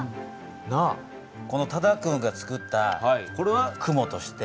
多田君がつくったこれは雲として。